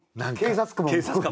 警察官も。